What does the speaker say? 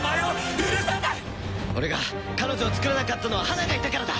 俺が彼女を作らなかったのは花がいたからだ！